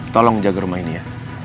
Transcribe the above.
tolong jaga rumah ini ya